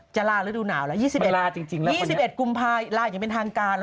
จะล่าฤดูหนาวแล้ว๒๑กุมภาคมล่าอย่างเป็นทางการ